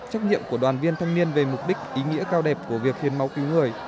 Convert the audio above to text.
trách nhiệm của đoàn viên thanh niên về mục đích ý nghĩa cao đẹp của việc hiến máu cứu người